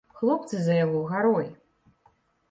Хлопцы за яго гарой.